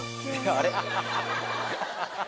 あれ？